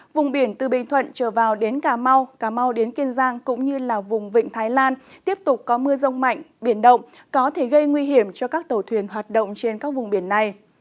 vùng biển từ bình thuận trở vào đến cà mau cà mau đến kiên giang cũng như là vùng vịnh thái lan tiếp tục có mưa rông mạnh biển động có thể gây nguy hiểm cho các tàu thuyền hoạt động trên các vùng biển này